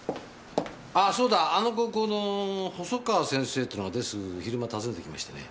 あぁそうだ。あの高校の細川先生ってのがデスク昼間訪ねてきましてね。